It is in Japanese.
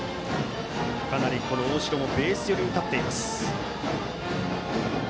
かなり大城もベース寄りに立っています。